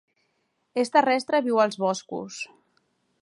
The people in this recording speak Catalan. És terrestre i viu als boscos.